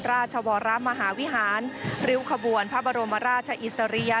ราชวรมหาวิหารริ้วขบวนพระบรมราชอิสริยะ